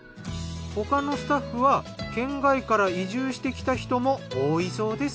他のスタッフは県外から移住してきた人も多いそうです。